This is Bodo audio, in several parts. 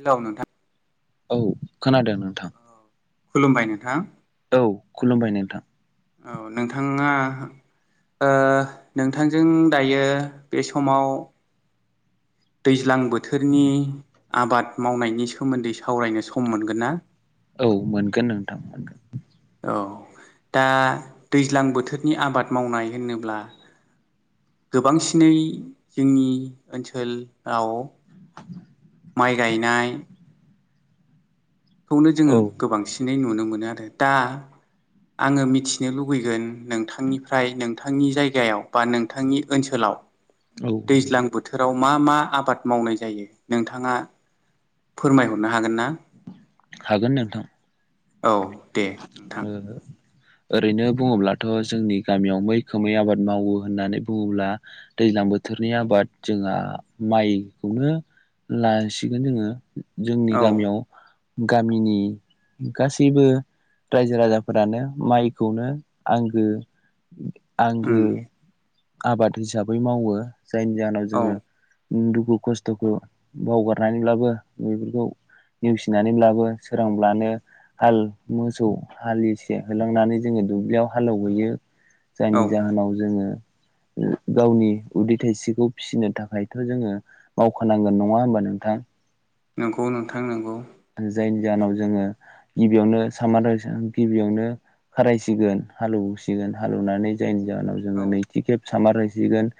हेलौ नोंथां औ खोनादों नोंथां खुलुमबाय नोंथां औ खुलुमबाय नोंथां औ नोंथाङा ओ नोंथांजों दायो बे समाव दैज्लां बोथोरनि आबाद मावनायनि सोमोन्दै सावरायनो सम मोनगोन ना औ मोनगोन नोंथां मोनगोन औ दा दैज्लां बोथोरनि आबाद मावनाय होनोब्ला गोबांसिनै जोंनि ओनसोलाव माइ गायनाय खौनो जोङो औ गोबांसिनै नुनो मोनो आरो दा आङो मिथिनो लुबैगोन नोंथांनिफ्राय नोंथांनि जायगायाव बा नों थांनि ओनसोलाव औ नोंथां दैज्लां बोथोराव मा मा आबाद मावनाय जायो नोंथाङा फोरमायहरनो हागोन ना हागोन नोंथां औ दे नोंथां ओ ओरैनो बुङोब्लाथ जोंनि गामियाव मैखोमै आबाद मावो होननानै बुङोब्ला दैज्लां बोथोरनि आबाद जोंहा माइखौनो लासिगोन जोङो जोंनि औ गामियाव गामिनि गासैबो रायजो राजाफोरानो माइखौनो आंगो आंगो उम आबाद हिसाबै मावो जायनि जाहोनाव औ जोङो दुखु खस्थखौ बावगारनानैब्लाबो बेफोरखौ नेवसिनानैब्लाबो सोरांब्लानो हाल मोसौ हालि एसे होलांनानै जोङो दुब्लियाव हालेवहयो औ जायनि जाहोनाव जोङो [inaudible] गावनि उदै थाइसेखौ फिसिनो थाखायथ जोङो मावखानांगोन नङा होमबा नोंथां नंगौ नोंथां नंगौ जायनि जाहोनाव जोङो गिबियावनो सामार गिबियावनो खारायसिगोन हालौसिगोन हालौनानै नि जाव औ जोङो नैथि खेब सामार रायसिगोन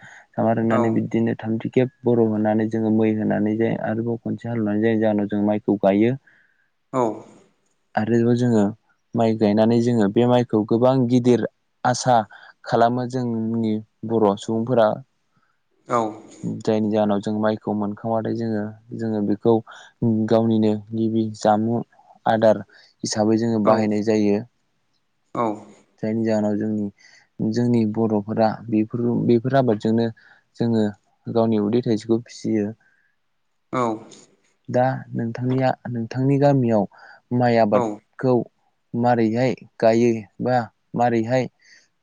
औ सामारनानै बिदिनो थामथि खेब बर‌ होनानै जोङो मै होनानै जायो आरोबाव खनसे हालेवनानै जायनि जाहोननाव जों माइखौ गायो औ आरो जोङो माइ गायनानै जोङो बे माइखौ गोबां गिदिर आसा खालामो जोंनि बर सुबुंफोरा औ जायनि जाहोनाव जों माइखौ मोनखांबाथाय जोङो जोङो बेखौ गावनिनो गिबि जामुं आदार हिसाबै जोङो बाहायनाय जायो औ जायनि जाहोनाव जोंनि जोंनि बरफोरा बेफोर बेफोर आबादजोंनो जों जोङो गावनि उदै थाइसेखौ फिसियो। औ नोंथांनिया नोंथांनि गामियाव माइ औ आबादखौ मारैहाय गायो। बा मारैहाय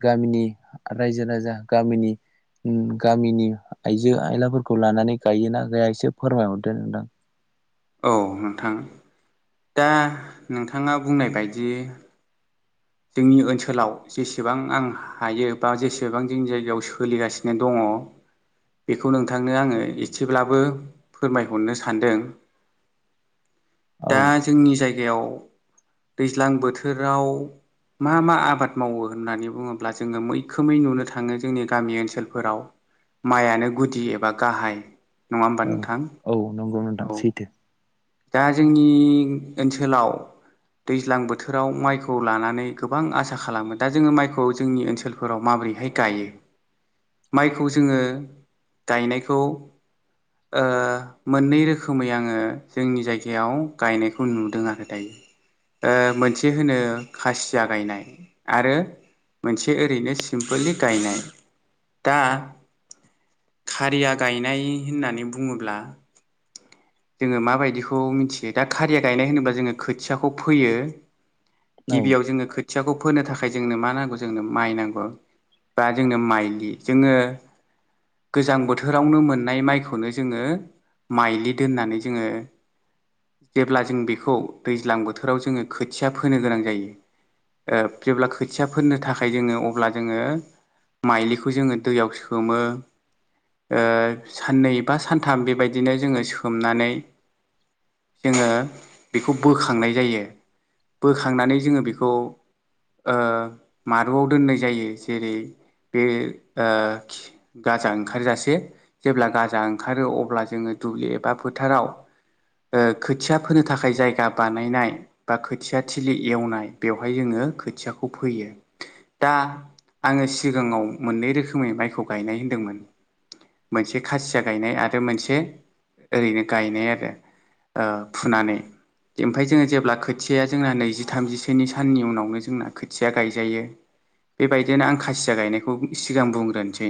गामिनि रायजो राजा गामिनि गामिनि आइजो आयलाफोरखौ लानानै गायोना गाया एसे फोरमायहरदो नोंथां। औ नोंथां दा नोंथाङा बुंनाय बायदि जोंनि ओनसोलाव जेसेबां आं हायो बा जेसेबां जोंनि जायगायाव सोलिगासिनो दङ। [unintelligible] बेखौ नोंथांनो आङो एसेब्लाबो फोरमायहरनो सानदों। औ दा जोंनि जायगायाव दैज्लां बोथोराव मा मा आबाद मावो होननानै बुङोब्ला जोङो मैखोमै नुनो थाङो जोंनि गामि ओनसोलफोराव माइआनो गुदि एबा गाहाय नङा होमबा औ नोंथां? औ नंगौ औ नोंथां सैथो। दा जोंनि ओनसोलाव दैज्लां बोथोराव माइखौ लानानै गोबां आसा खालामो दा जोङो माइखौ जोंनि ओनसोलफोराव माब बोरैहाय गायो माइखौ जोङो गायनायखौ मोननै रोखोमै आङो जोंनि जायगायाव गायनायखौ नुदों आरो दायो। मोनसे होनो खासिया गायनाय आरो मोनसे ओरैनो सिम्पोललै गायनाय दा खारिया गायनाय होननानै बुङोब्ला जोङो माबायदिखौ मिथियो दा खारिया गायनाय होनोबा जोङो खोथियाखौ फोयो। औ गिबियाव जोङो खोथियाखौ फोनो थाखाय जोंनो मा नांगौ जोंनो माइ नांगौ। बा जोंनो माइलि जोङो गोजां बोथोरावनो मोननाय माइखौनो जोङो माइलि दोननानै जोङो जेब्ला जों बेखौ दैज्लां बोथोराव जोङो खोथिया फोनो गोनां जायो। जेब्ला खोथिया फोनो थाखाय जोङो अब्ला जोङो माइलिखौ जोङो दैयाव सोमो साननै बा सानथाम बेबायदिनो जोङो सोमनानै जोङो बेखौ बोखांनाय जायो। बोखांनानै जोङो बेखौ मारुआव दोननाय जायो। जेरै बे गाजा ओंखारजासे जेब्ला गाजा ओंखारो अब्ला जोङो दुब्लि एबा फोथाराव खोथिया फोनो थाखाय जायगा बानायनाय बा खोथिया थिलि एवनाय बेवहाय जोङो खोथियाखौ फैयो दा आङो सिगाङाव मोननै रोखोमै माइखौ गायनाय होनदोंमोन। मोनसे खासिया गायनाय आरो मोनसे ओरैनो गायनाय आरो फुनानै एमफाय जोङो जेब्ला खोथियाया जोंना नैजि थामजिसोनि साननि उनावनो जोंना खोथिया गायजायो। बेबायदिनो आं खासिया गायनायखौ सिगां बुंग्रोनोसै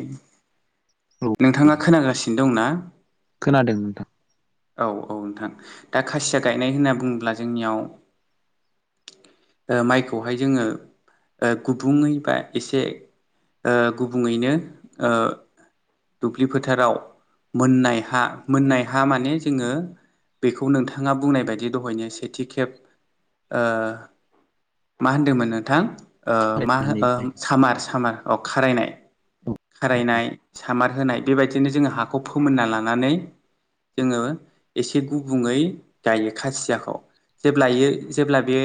औ नोंथाङा खोनागासिनो दं ना? खोनादों नोंथां। औ औ नोंथां दा खासिया गायनाय होनना बुङोब्ला जोंनियाव माइखौहाय जोङो गुबुङै बा एसे गुबुङैनो दुब्लि फोथाराव मोननाय हा मोननाय हा माने जोङो बेखौ नोंथाङा बुंनाय बायदि दहायनो सेथि खेब मा होनदोंमोन नोंथां? ओ मा हो फरायनानै ओ सामार सामार औ खारायनाय औ खारायनाय सामार होनाय बेबायदिनो जोङो हाखौ फोमोनना लानानै जोङो एसे गुबुङै गायो खासियाखौ जेब्ला जेब्ला बे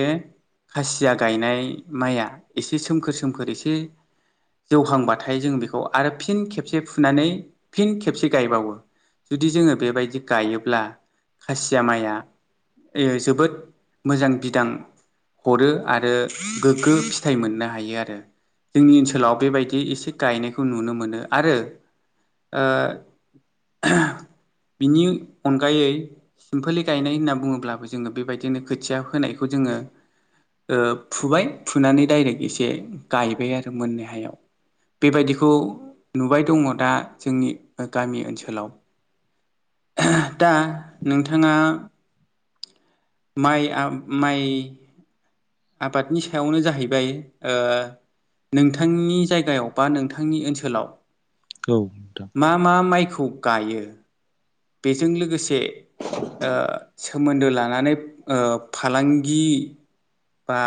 खासिया गायनाय माइया एसे सोमखोर सोमखोर एसे जौहांबाथाय जों बेखौ आरो फिन खेबसे फुनानै फिन खेबसे गायबावो जुदि जोंङो बेबायदि गायोब्ला खासिया माइआ जोबोद मोजां बिदां हरो आरो गोग्गो फिथाइ मोननो हायो आरो जोंनि ओनसोलाव बेबायदि एसे गायनायखौ नुनो मोनो आरो [unintelligible] बिनि अनगायै सिम्पलि गायनाय होनना बुंङोब्लाबो जोंङो बेबायदिनो खोथिया होनायखौ बेखौ जोङो ओ फुबाय फुनानै दायरेक्ट एसे गायबाय आरो मोनाय हायाव बेबायदिखौ नुबाय दंङो दा जोंनि गामि ओनसोलाव दा नोंथांङा माइ आ माइ आबादनि सायावनो जाहैबाय नोंथांनि जायगायाव बा नोंथांनि ओनसोलाव औ नोंथां मा मा माइखौ गायो बेजों लोगोसे सोमोन्दो लानानै फालांगि बा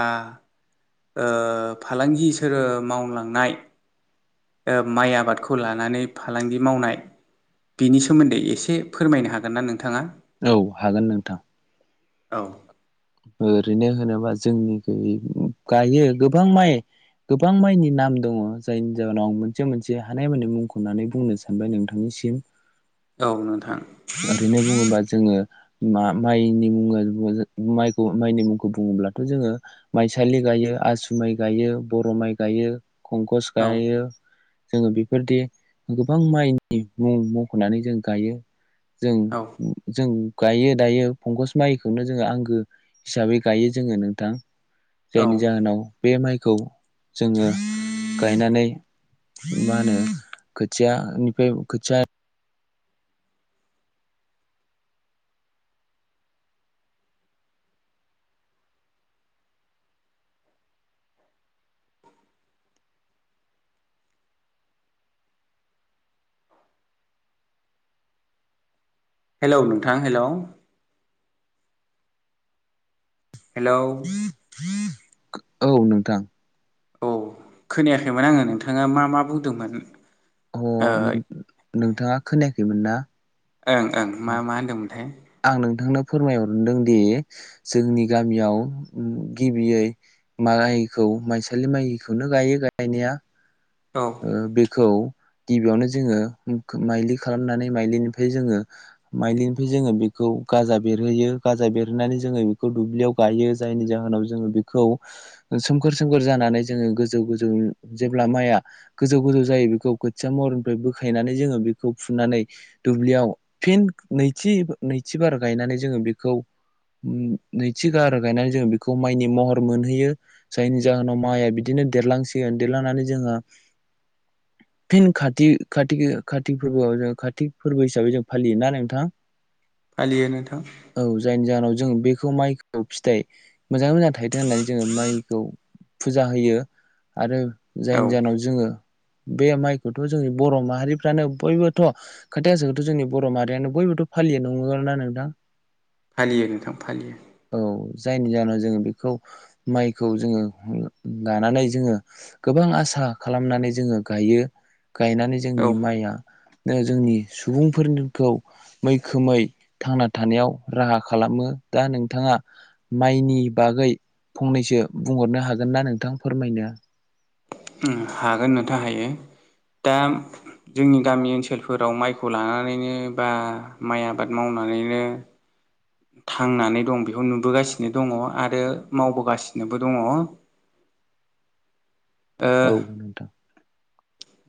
फालांगिसो मावलांनाय माइ आबादखौ लानानै फालांगि मावनाय बिनि सोमोन्दै एसे फोरमायनो हागोन ना नोंथांङा औ हागोन नोंथां औ ओरैनो होनोबा जोंनि गैयै गायो गोबां माइ गोबां माइनि नाम दङ जायनि जउोनाव आं मोनसे मोनसे हानायमानि मुंखौ होननानै बुंनो सानबाय नोंथांनि नोंथां ओरैनो बुंङोबा जोंङो माइ नि मुंडा माइखौ माइनि मुंखौ बुङोब्लाथ' जोंङो माइसालि गायो आसु माइ गायो बर' माइ गायो कंकस औ गाय जोंङो बेफोरदि गोबां माइनि मुं मख'नानै जों गायो जों औ जों गायो दायो फंकस माइखौनो जोंयो आं हिसाबै गायो नोंथां औ जायनि जाव खौ जोंङो गायनानै मा होनो खोथिया निफ्राय खोथिया हेलौ नोंथां हेलौ हेलौ औ नोंथां औ खोनायाखैमोन आंङो नोंथांङा मा मा बुंदोंमोन अ ओ नोंथांङा खोनायाखैमोन ना ओं ओं मा मा होन्दोंमोनथाय आं नोंथांनो फोरमायहरदों दि जोंनि गामियाव गिबियै माइखौ माइसालि माइखौनो गायो गायनाया औ बेखौ गिबियावनो जोंङो माइलि खालामनानै माइलिनिफ्राय जोंङो माइलिनिफ्राय जोंङो बे बेखौ गाजा बेरहोयो गाजा बेरहोनानै जोंङो बेखौ दुब्लियाव गायो जायनि जाहोनाव जोंङो बेखौ सोमखोर सोमखोर जानानै जोंङो गोजौ गोजौ जेब्ला माइया गोजौ गोजौ जायो बेखौ खोथिया महरनिफ्राय बोखायनानै जोंङो बेखौ फुनानै दुब्लियाव फिन नैथि नैथिबार गायनानै जोंङो बेखौ नैथि गार गायनानै जों बेखौ माइनि महर मोनहैयो जायनि जाहोनाव माइआ बिदिनो नो देरलांसिगोन देरलांनानै जोंङो [inaudible] फिन काति काति फोरबोआव जों कातिक फोरबो हिसाबै जों फालियोना नोंथां फालियो नोंथां। औ जायनि जाहोनाव जों बेखौ माइखौ फिथाइ मोजाङै मोजां थायथों होननानै जोङो माइखौ फुजा होयो आरो औ जायनि जाहोनाव जोङो बे माइखौथ' जोंनि बर' माहारिफ्रानो बयबोथ' खोथायासोखौथ' जोंनि बर' माहारियानो ब बयबोथ' फालिया नंङा आरो ना नोंथां। फालियो नोंथां फालियो। औ जायनि जाहोनाव जोङो बेखौ माइखौ जोङो लानानै जोङो गोबां आसा खालामनानै जोङो गायो गायनानै औ जोंनि माइया जोंनि सुबुंफोरखौ मैखोमै थांना थानायाव राहा खालामो। दा नोंथाङा माइनि बागै फंनैसो बुंहरनो हागोन ना नोंथां फोरमायनो हागोन नोंथां हायो। दा जोंनि गामि ओनसोलफोराव माइखौ लानानैनो बा माइ आबाद मावनो नानैनो थांनानै दं बेखौ नुबोगासिनो दङ आरो मावबोगासिनोबो दङ। [inaudible] ओ औ नोंथां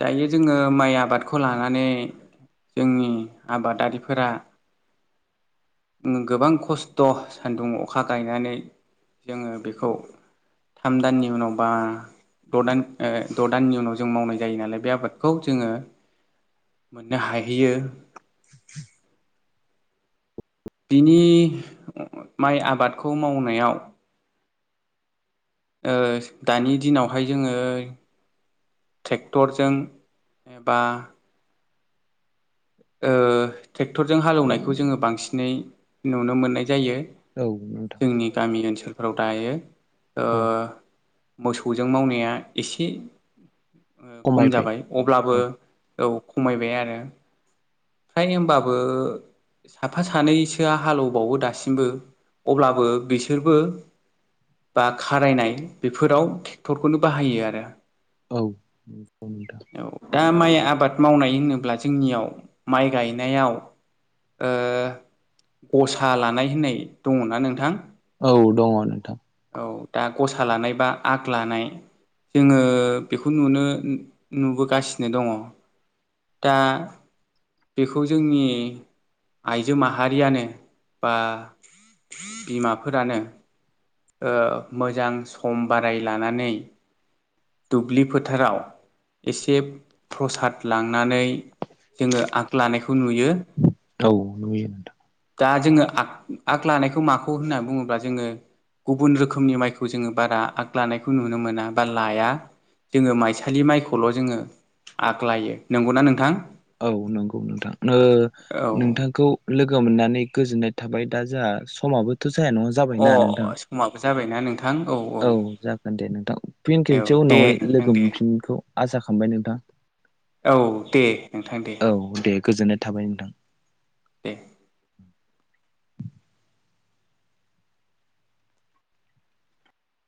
दायो जोङो माइ आबादखौ लानानै जोंनि आबादारिफोरा गोबां खस्थ' सान्दुं अखा गायनानै जोङो बेखौ थाम दाननि उनावबा द' दान द' दाननि उनाव जों मावनाय जायो नालाय बे आबादखौ जोङो मोननो हाहैयो। [unintelligible] बिनि माइ आबादखौ मावनायाव दानि दिनावहाय जोङो ट्रेक्टरजोंबा ट्रेक्टरजों हालौवनायखौ जोङो बांसिनै नुनो मोननाय जायो। औ नोंथां जोंनि गामि ओनसोलफोराव दायो। औ मोसौजों मावनाया एसे खम खमायबाय जाबाय अब्लाबो औ खमायबाय आरो फ्रायनो होमबाबो साफा सानैसोआ हालेबावो दासिमबो अब्लाबो बिसोरबो बा खारायनाय बेफोराव ट्रेक्टरखौनो बाहायो आरो। औ औ दा माइ आबाद मावनाय होनोब्ला जोंनियाव माइ गायनायाव गसा लानाय होननाय दङ ना नोंथां? औ दङ नोंथां। औ दा गसा लानाय बा आगु लानाय जोङो बेखौ नुनो नुबोगासिनो दङ। दा बेखौ जोंनि आइजो माहारियानो बा बिमाफोरानो मोजां सम बाराय लानानै दुब्लि फोथाराव एसे प्रसाद लांनानै जोङो आगु लानायखौ नुयो औ नुयो नोंथां दा जोङो आगु लानायखौ माखौ होननानै बुङोब्ला जोङो गुबुन रोखोमनि माइखौ जोङो बारा आगु लानायखौ नुनो मोना बा लाया जोङो माइसालि माइखौल' जोङो आगलायो नंगौना नोंथां औ नंगौ नोंथां औ नोंथांखौ लोगो मोननानै गोजोननाय थाबाय दा जोंहा समाबो थ' जाया नङा अ जाबायना नोंथां समाबो जाबायना नोंथां औ जागोन दे नोंथां फिन औ खेबसेबाव दे उनावहाय नोंथां लोगो दे मोनफिनगोनखौ आसा खालामबाय नोंथां औ दे नोंथां दे औ दे गोजोननाय थाबाय नोंथां दे